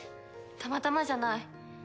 たまたまじゃない。